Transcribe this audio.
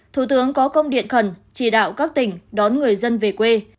thủ tướng có công điện khẩn chỉ đạo các tỉnh đón người dân về quê